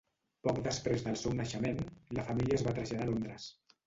Poc després del seu naixement, la família es va traslladar a Londres.